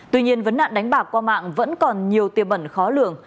tuy nhiên vấn nạn đánh bạc qua mạng vẫn còn nhiều tiềm bẩn khó lường